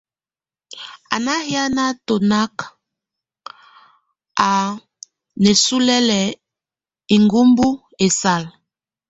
A náhiana tonak, a nésulél iŋgubú esal.